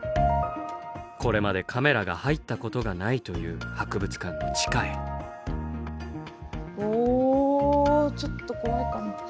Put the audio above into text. これまでカメラが入ったことがないというおちょっと怖いかも。